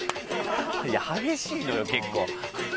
激しいのよ結構。